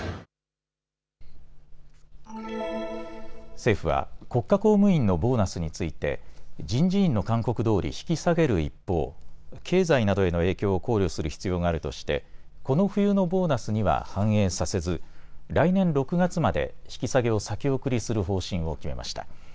政府は国家公務員のボーナスについて人事院の勧告どおり引き下げる一方、経済などへの影響を考慮する必要があるとしてこの冬のボーナスには反映させず来年６月まで引き下げを先送りする方針を決めました。